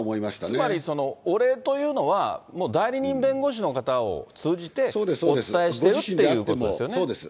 つまりお礼というのは、もう代理人弁護士の方を通じて、お伝えしてるっていうことですよね。